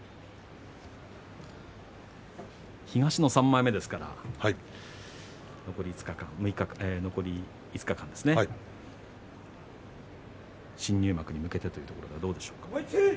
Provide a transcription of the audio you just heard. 東の３枚目ですから残り５日間、新入幕に向けてということではどうでしょうか。